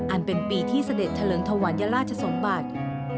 อันเป็นปีที่เสด็จเถลิงถวัญราชสมบัติ